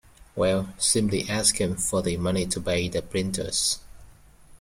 Well, simply ask him for the money to pay the printers.